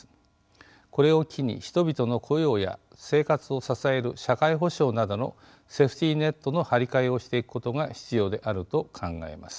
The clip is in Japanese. これを機に人々の雇用や生活を支える社会保障などのセーフティーネットの張り替えをしていくことが必要であると考えます。